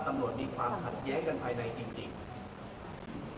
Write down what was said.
มีความขัดแย้งกันภายในจริง